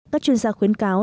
các chuyên gia khuyến cáo